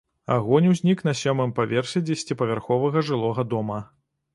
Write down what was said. Агонь узнік на сёмым паверсе дзесяціпавярховага жылога дома.